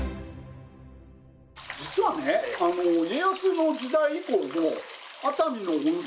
実はね家康の時代以降も熱海の温泉